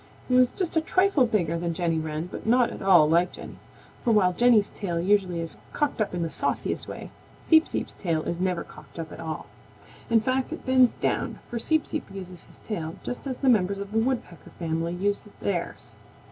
He was just a trifle bigger than Jenny Wren but not at all like Jenny, for while Jenny's tail usually is cocked up in the sauciest way, Seep Seep's tail is never cocked up at all. In fact, it bends down, for Seep Seep uses his tail just as the members of the Woodpecker family use theirs.